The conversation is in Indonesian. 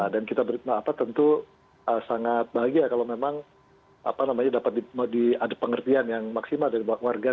dan kita beritahu apa tentu sangat bahagia kalau memang apa namanya dapat di mau di ada pengertian yang maksimal dari keluarga